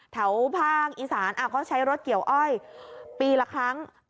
แถวภาคอีสานเขาใช้รถเกี่ยวอ้อยปีละครั้ง